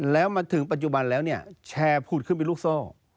แล้วมาถึงปัจจุบันแล้วเนี่ยแชร์ผูดขึ้นเป็นลูกโซ่